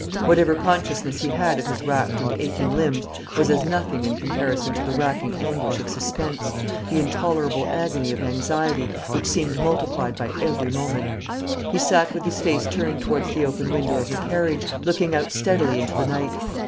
Whatever consciousness he had of his racked and aching limbs was as nothing in comparison to the racking anguish of suspense, the intolerable agony of anxiety, which seemed multiplied by every moment. He sat with his face turned towards the open window of the carriage, looking out steadily into the night.